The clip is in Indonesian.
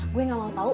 gue gak mau tau